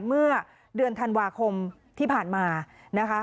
เมื่อเดือนธันวาคมที่ผ่านมานะคะ